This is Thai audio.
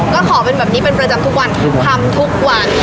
ก็ขอเป็นแบบนี้เป็นประจำทุกวันทำทุกวัน